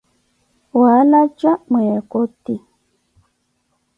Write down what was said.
Waalaca mwi eKoty